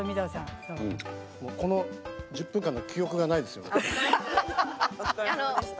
この１０分間の記憶がないです。